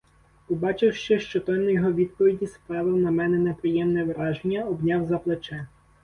Побачивши, що тон його відповіді справив на мене неприємне враження, обняв за плече: